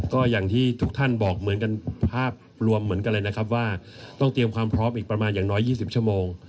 ก็อย่างที่ทุกท่านบอกเหมือนกันภาพรวมเหมือนกันเลยนะครับว่าต้องเตรียมความพร้อมอีกประมาณอย่างน้อย๒๐ชั่วโมง